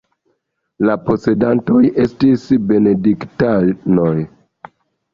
La posedantoj estis benediktanoj.